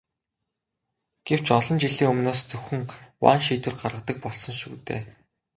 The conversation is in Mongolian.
Гэвч олон жилийн өмнөөс зөвхөн ван шийдвэр гаргадаг болсон шүү дээ.